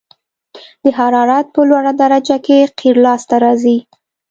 د حرارت په لوړه درجه کې قیر لاسته راځي